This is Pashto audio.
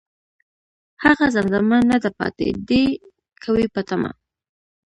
هغه زمزمه نه ده پاتې، ،دی که وي په تمه